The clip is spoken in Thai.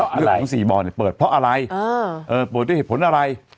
เพราะอะไรเรื่องของสี่บอลเนี่ยเปิดเพราะอะไรเออเออเปิดด้วยเหตุผลอะไร